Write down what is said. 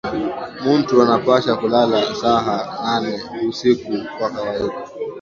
Muntu anapasha kulala saha nane busiku kwa kawaida